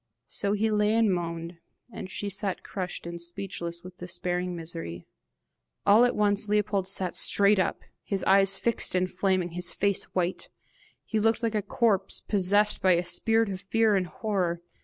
So he lay and moaned, and she sat crushed and speechless with despairing misery. All at once Leopold sat straight up, his eyes fixed and flaming, his face white: he looked like a corpse possessed by a spirit of fear and horror.